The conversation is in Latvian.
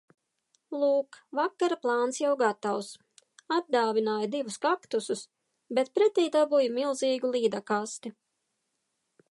Lūk, vakara plāns jau gatavs. Atdāvināju divus kaktusus, bet pretī dabūju milzīgu līdakasti.